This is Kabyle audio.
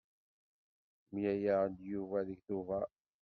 Mlaleɣ-d d Yuba deg tuber.